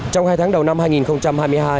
trong hai tháng đầu năm hai nghìn hai mươi hai